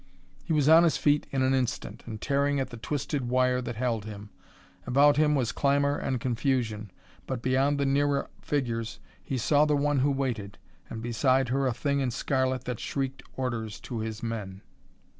He was on his feet in an instant and tearing at the twisted wire that held him. About him was clamor and confusion, but beyond the nearer figures he saw the one who waited, and beside her a thing in scarlet that shrieked orders to his men.